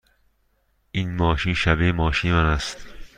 این ماشین شبیه ماشین من است.